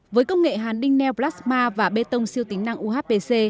với công nghệ hàn đinh neoplasma và bê tông siêu tính năng uhpc